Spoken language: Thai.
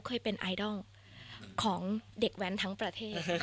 ขอบคุณครับ